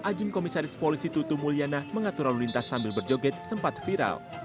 ajum komisaris polisi tutu mulyana mengatur lalu lintas sambil berjoget sempat viral